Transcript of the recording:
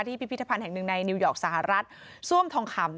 พิพิธภัณฑ์แห่งหนึ่งในนิวยอร์กสหรัฐซ่วมทองคำ